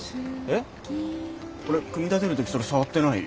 えっ俺組み立てる時それ触ってない？